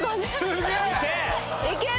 すげえ！